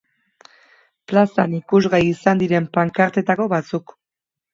Plazan ikusgai izan diren pankartetako batzuk.